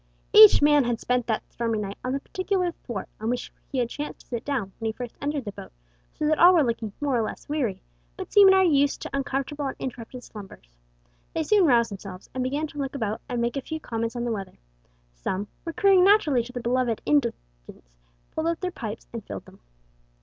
Each man had spent that stormy night on the particular thwart on which he had chanced to sit down when he first entered the boat, so that all were looking more or less weary, but seamen are used to uncomfortable and interrupted slumbers. They soon roused themselves and began to look about and make a few comments on the weather. Some, recurring naturally to their beloved indulgence, pulled out their pipes and filled them.